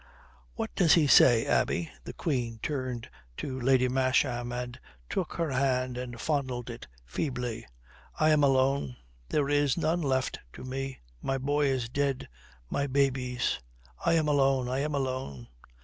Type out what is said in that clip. "What does he say, Abbie?" the Queen turned to Lady Masham and took her hand and fondled it feebly. "I am alone. There is none left to me. My boy is dead. My babies I am alone. I am alone."